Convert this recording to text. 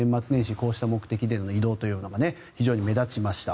こうした目的での移動というのが非常に目立ちました。